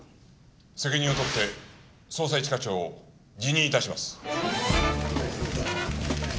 責任を取って捜査一課長を辞任致します。